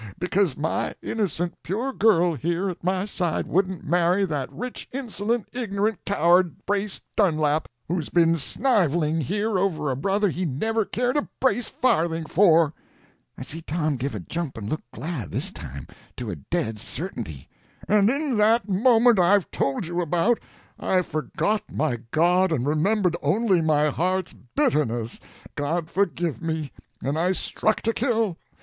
Because my innocent pure girl here at my side wouldn't marry that rich, insolent, ignorant coward, Brace Dunlap, who's been sniveling here over a brother he never cared a brass farthing for—" [I see Tom give a jump and look glad this time, to a dead certainty] "—and in that moment I've told you about, I forgot my God and remembered only my heart's bitterness, God forgive me, and I struck to kill.